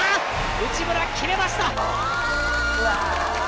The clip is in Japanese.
内村決めました！